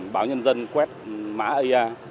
báo nhân dân quét mã ia